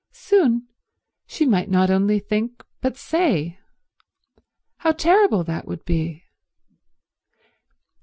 Soon she might not only think but say. How terrible that would be.